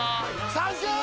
サンキュー！！